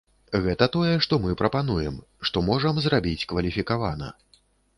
Гэта тое, што мы прапануем, што можам зрабіць кваліфікавана.